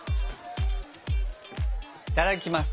いただきます！